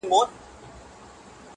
خو د زړه مطلب یې بل وي بل څه غواړي -